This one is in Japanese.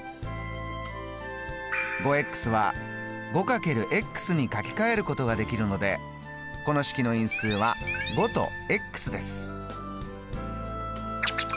５は５×に書きかえることができるのでこの式の因数は５とです。